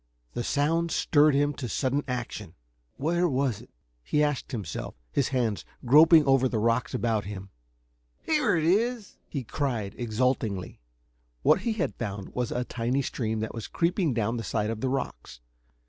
The sound stirred him to sudden action. "Where was it?" he asked himself, his hands groping over the rocks about him. "Here it is!" he cried exultingly. What he had found was a tiny stream that was creeping down the side of the rocks.